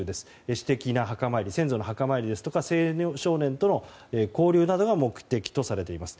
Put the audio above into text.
私的な先祖の墓参りですとか青少年との交流などが目的とされています。